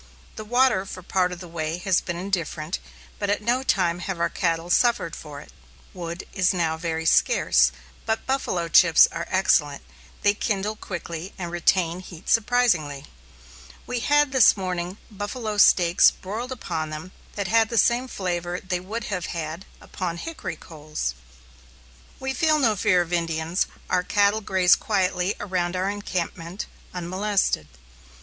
The water for part of the way has been indifferent, but at no time have our cattle suffered for it. Wood is now very scarce, but "buffalo chips" are excellent; they kindle quickly and retain heat surprisingly. We had this morning buffalo steaks broiled upon them that had the same flavor they would have had upon hickory coals. We feel no fear of Indians, our cattle graze quietly around our encampment unmolested.